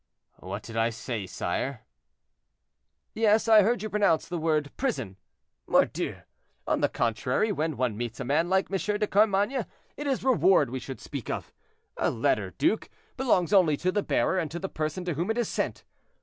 "What did I say, sire." "Yes; I heard you pronounce the word 'prison.' Mordieu! on the contrary, when one meets a man like M. de Carmainges, it is reward we should speak of. A letter, duke, belongs only to the bearer and to the person to whom it is sent.